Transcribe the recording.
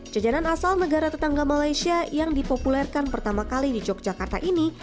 jajanan asal negara tetangga malaysia yang dipopulerkan pertama kali di yogyakarta ini